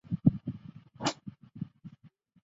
官至工部主事。